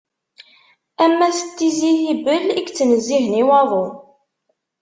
Am at tizi Hibel i yettnezzihen i waḍu.